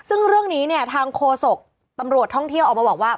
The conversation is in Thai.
ซึ่งเรื่องนี้เนี่ยทางโคศกตำรวจท่องเที่ยวออกมาบอกว่า